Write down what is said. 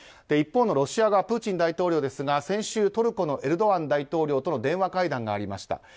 一方のロシア側プーチン大統領ですが先週トルコのエルドアン大統領との電話会談がありました。